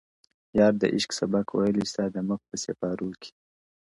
o یار د عشق سبق ویلی ستا د مخ په سېپارو کي,